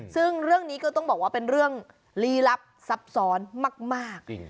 ซึ่งเรื่องนี้ก็ต้องบอกว่าเป็นเรื่องลี้ลับซับซ้อนมาก